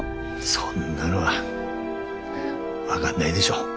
そんなの分がんないでしょう。